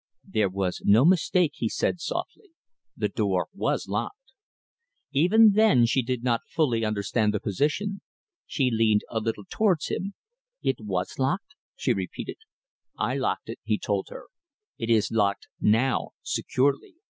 "There was no mistake," he said softly. "The door was locked." Even then she did not fully understand the position. She leaned a little towards him. "It was locked?" she repeated. "I locked it," he told her. "It is locked now, securely.